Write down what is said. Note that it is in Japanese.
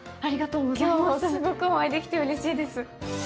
今日はすごくお会いできてうれしいです。